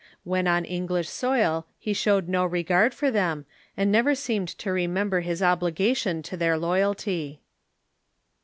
When on English soil he showed no regard for them, and never seemed to re member his obligation to their loyalty.